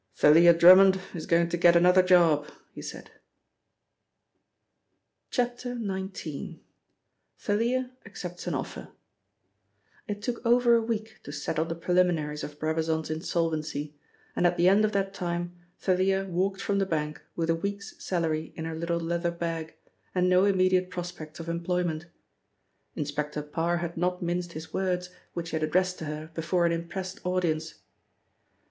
"Thalia Drummond is going to get another job," he said. XIX. — THALIA ACCEPTS AN OFFER IT took over a week to settle the preliminaries of Brabazon's insolvency, and at the end of that time, Thalia walked from the bank with a week's salary in her little leather bag, and no immediate prospects of employment. Inspector Parr had not minced his words, which he had addressed to her before an impressed audience.